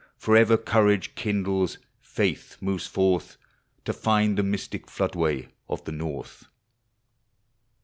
Forever courage kindles, faith moves forth To find the mystic flood way of the North.